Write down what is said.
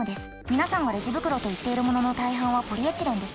皆さんがレジ袋といっているものの大半はポリエチレンです。